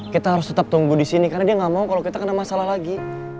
kita harus tetap tunggu di sini karena dia nggak mau kalau kita kena masalah lagi